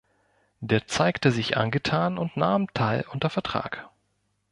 Der zeigte sich angetan und nahm Tall unter Vertrag.